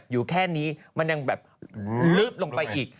อยู่แค่นี้มันยังแบบลึกลงไปอีก